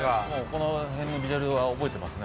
この辺のビジュアルは覚えてますね。